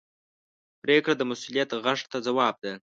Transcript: پرېکړه د مسؤلیت غږ ته ځواب ده.